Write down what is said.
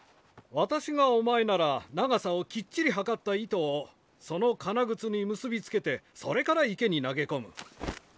私がお前なら長さをきっちり測った糸をそのかなぐつに結び付けてそれから池に投げ込む。